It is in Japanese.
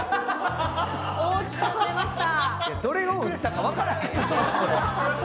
大きく逸れました。